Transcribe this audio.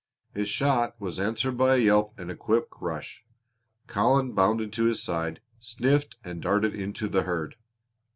His shot was answered by a yelp and a quick rush. Colin bounded to his side, sniffed, and darted into the herd.